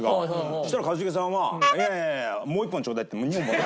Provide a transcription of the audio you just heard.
そしたら一茂さんは「いやいやもう１本ちょうだい」って２本もらう。